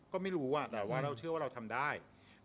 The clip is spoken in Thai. ก็ไม่รู้แต่ว่าเราเชื่อว่าเราทำได้